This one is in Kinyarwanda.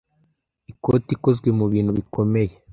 Ikoti ikozwe mubintu bikomeye.